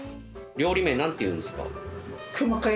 料理名何ていうんですか？